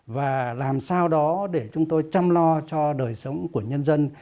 và làm sao đó để chúng tôi chăm lo cho đời sống của nhân dân